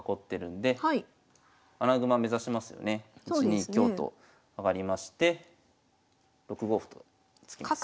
１二香と上がりまして６五歩と突きます。